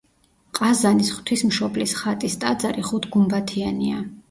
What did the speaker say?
ყაზანის ღვთისმშობლის ხატის ტაძარი ხუთგუმბათიანია.